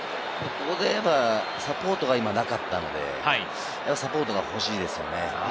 ここでいえば、サポートはなかったので、サポートがほしいですよね。